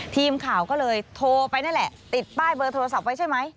ทีมข่าวก็เลยโทรไปนั่นแหละติดป้ายเบอร์โทรศัพท์ไว้ใช่ไหม